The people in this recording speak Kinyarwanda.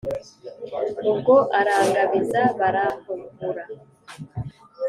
ubwo arangabiza barampuhura.